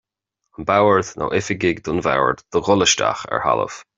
An Bord nó oifigigh don Bhord do dhul isteach ar thalamh.